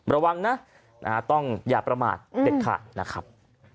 ระวังนะต้องอย่าประมาทเด็ดขาดนะครับ